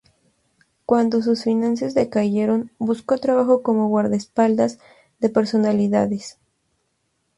Cuando sus finanzas decayeron, buscó trabajo como guardaespaldas de personalidades.